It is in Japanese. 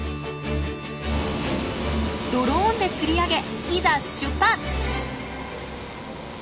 ドローンでつり上げいざ出発！